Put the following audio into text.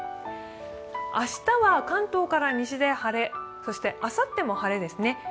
明日は関東から西で晴れそしてあさっても晴れですね。